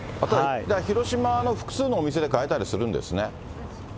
広島の複数のお店で買えたりするんですね。